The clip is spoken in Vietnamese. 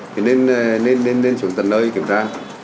thì nên xuống tầng nơi kiểm tra